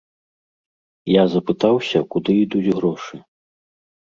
Я запытаўся, куды ідуць грошы.